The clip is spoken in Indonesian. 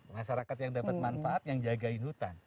masyarakat yang dapat manfaat yang jagain hutan